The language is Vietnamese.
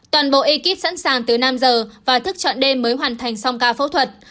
toàn bộ ekip sẵn sàng tới năm giờ và thức trọn đêm mới hoàn thành xong ca phẫu thuật